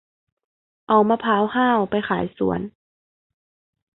เอามะพร้าวห้าวไปขายสวน